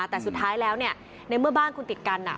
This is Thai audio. แต่สุดท้ายแล้วในเมื่อบ้านคุณติดกัน